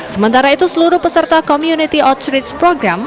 sementara itu seluruh peserta community outreach program